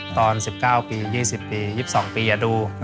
ตอน๑๙๒๐ปี๒๒ปีอย่าดู